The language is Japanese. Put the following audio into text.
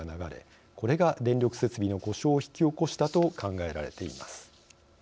これが電力設備の故障を引き起こしたと考えられています。